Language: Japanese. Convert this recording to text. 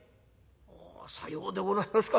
「さようでございますか。